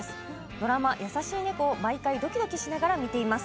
ドラマ「やさしい猫」毎回どきどきしながら見ています。